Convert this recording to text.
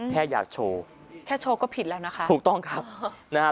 แค่อยากโชว์แค่โชว์ก็ผิดแล้วนะคะถูกต้องครับนะฮะ